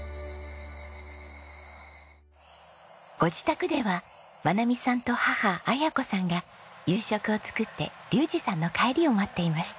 ご自宅では真奈美さんと母あや子さんが夕食を作って竜士さんの帰りを待っていました。